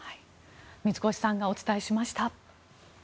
水越さんがお伝えしました。